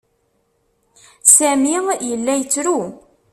Sami yella yettru.